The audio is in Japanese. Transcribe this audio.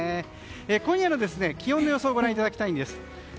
今夜の気温の予想をご覧いただきます。